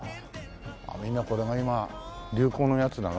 みんなこれが今流行のやつなの？